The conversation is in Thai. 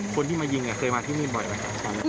คุณที่มาอยิงเคยมาที่นี่เยอะกันมั้ย